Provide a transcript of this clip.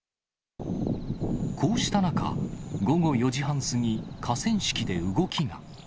こうした中、午後４時半過ぎ、河川敷で動きが。